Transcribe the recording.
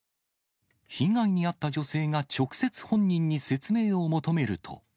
被害に遭った女性が直接本人に説明を求めると。